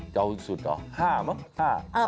ยาวสุดหรอ๕มั้ง